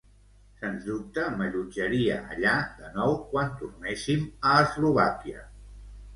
Sens dubte m'allotjaria allà de nou quan tornéssim a Eslovàquia.